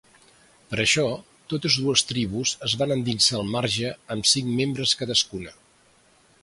Per això, totes dues tribus es van endinsar al marge amb cinc membres cadascuna.